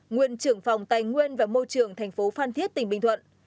nguyên trưởng phòng tài nguyên và môi trường thành phố phan thiết tỉnh bình thuận